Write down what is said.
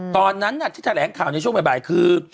ตอนนั้นที่แถลงข่าวในช่วงบ่ายคือ